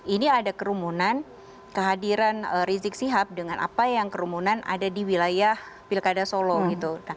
ini ada kerumunan kehadiran rizik sihab dengan apa yang kerumunan ada di wilayah pilkada solo gitu